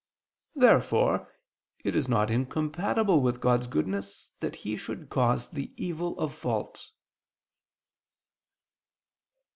Therefore it is not incompatible with God's goodness that He should cause the evil of fault.